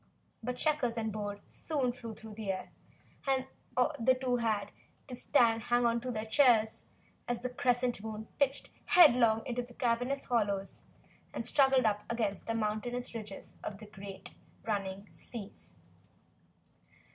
But checkers and board soon flew through the air, and the two had all they could do to hang on to their chairs as the Crescent Moon pitched headlong into the cavernous hollows and struggled up the mountainous ridges of the great running seas.